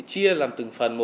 chia từng phần một